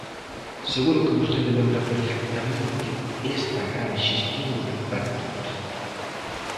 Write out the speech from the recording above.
Seguro que vostede lembra perfectamente esta gran xestión do Bipartito.